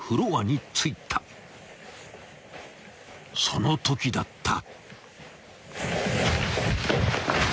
［そのときだった！］